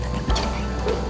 nanti aku ceritain